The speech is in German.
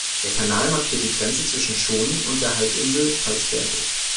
Der Kanal markiert die Grenze zwischen Schonen und der Halbinsel Falsterbo.